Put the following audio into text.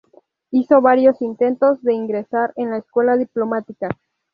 Hizo varios intentos de ingresar en la Escuela Diplomática.